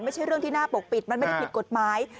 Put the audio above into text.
ไม่ใช่เรื่องที่น่าปกปิดมันไม่ได้ผิดกฎหมาย